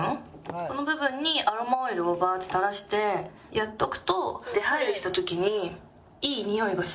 この部分にアロマオイルをバーッて垂らしてやっておくと出入りした時にいいにおいがするんですよ。